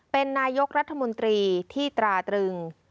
เป็นนายกรัฐมนตรีที่ตราตรึง